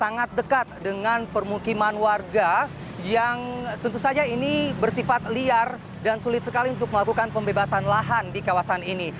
dan sangat dekat dengan permukiman warga yang tentu saja ini bersifat liar dan sulit sekali untuk melakukan pembebasan lahan di kawasan ini